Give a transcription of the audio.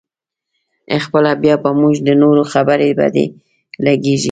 خپله بیا په موږ د نورو خبرې بدې لګېږي.